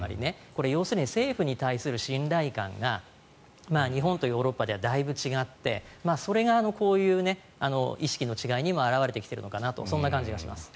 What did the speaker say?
要するに政府に対する信頼感が日本とヨーロッパではだいぶ違ってそれがこういう意識の違いにも表れてきているのかなとそんな感じがします。